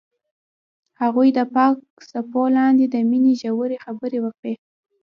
هغوی د پاک څپو لاندې د مینې ژورې خبرې وکړې.